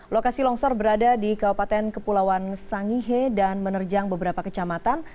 lokasi longsor berada di kabupaten kepulauan sangihe dan menerjang beberapa kecamatan